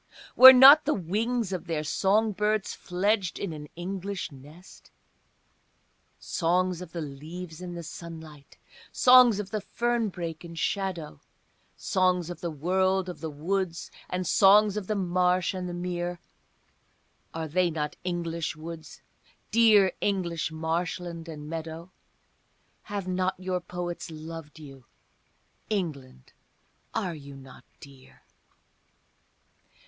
Were not the wings of their song birds fledged in an English nest? Songs of the leaves in the sunlight, songs of the fern brake in shadow, Songs of the world of the woods and songs of the marsh and the mere, Are they not English woods, dear English marshland and meadow? Have not your poets loved you? England, are you not dear?